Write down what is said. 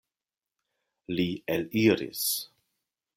Li eliris.